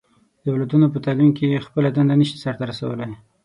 د اولادونو په تعليم کې خپله دنده نه شي سرته رسولی.